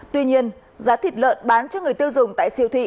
tuy nhiên giá thịt lợn bán cho người tiêu dùng tại siêu thị